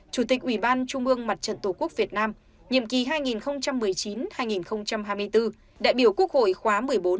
chủ tịch ủy ban trung ương mặt trận tổ quốc việt nam nhiệm kỳ hai nghìn một mươi chín hai nghìn hai mươi bốn đại biểu quốc hội khóa một mươi bốn